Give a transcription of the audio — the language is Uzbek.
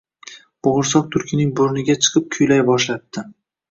Bo’g’irsoq tulkining burniga chiqib kuylay boshlabdi: